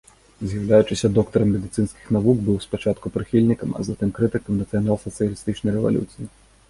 З'яўляючыся доктарам медыцынскіх навук, быў спачатку прыхільнікам, а затым крытыкам нацыянал-сацыялістычнай рэвалюцыі.